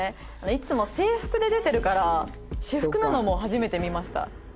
いつも制服で出てるから私服なのも初めて見ました。